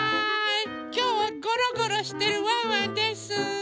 きょうはゴロゴロしてるワンワンです。